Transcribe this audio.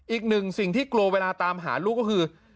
อีกหนึ่งสิ่งที่กลัวเวลาตามหาลูกก็คือ